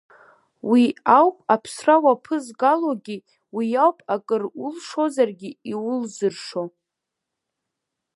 Уи ауп аԥсра уаԥызгалогьы, уи ауп акыр улшаргьы иулзыршо.